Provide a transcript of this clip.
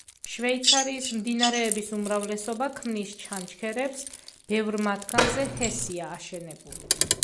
შვეიცარიის მდინარეების უმრავლესობა ქმნის ჩანჩქერებს, ბევრ მათგანზე ჰესია აშენებული.